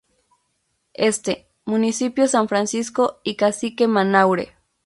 Este: Municipios San Francisco y Cacique Manaure.